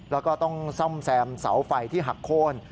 แล้วก็ต้องซ่อมแซมเสาไฟที่หักโค้น